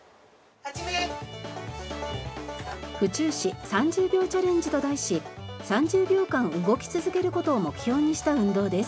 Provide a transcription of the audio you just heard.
府中市３０秒チャレンジと題し３０秒間動き続ける事を目標にした運動です。